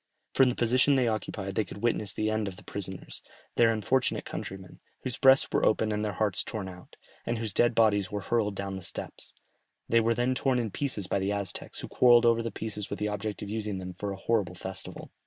From the position they occupied they could witness the end of the prisoners, their unfortunate countrymen, whose breasts were opened and their hearts torn out, and whose dead bodies were hurled down the steps; they were then torn in pieces by the Aztecs, who quarrelled over the pieces with the object of using them for a horrible festival.